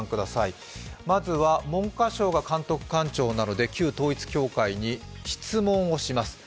まずは、文科省が監督官庁なので旧統一教会に質問をします。